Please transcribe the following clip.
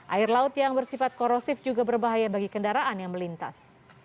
air laut yang bersifat korosif juga berbahaya bagi kendaraan yang melintas